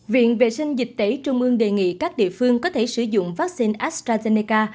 viện vệ sinh dịch tễ trung ương đề nghị các địa phương có thể sử dụng vaccine astrazeneca